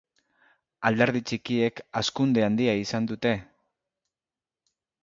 Alderdi txikiek hazkunde handia izan dute.